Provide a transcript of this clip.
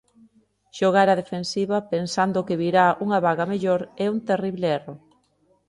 Xogar á defensiva, pensando que virá unha vaga mellor, é un terrible erro.